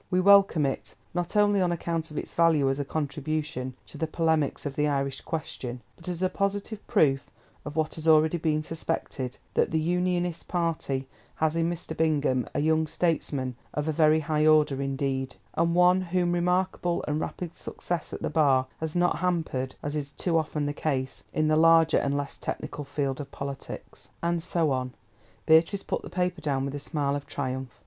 We welcome it, not only on account of its value as a contribution to the polemics of the Irish Question, but as a positive proof of what has already been suspected, that the Unionist party has in Mr. Bingham a young statesman of a very high order indeed, and one whom remarkable and rapid success at the Bar has not hampered, as is too often the case, in the larger and less technical field of politics." And so on. Beatrice put the paper down with a smile of triumph.